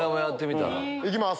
いきます。